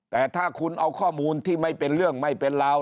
แต่ถ้าคุณเอาข้อมูลที่ไม่เป็นเรื่องไม่เป็นราว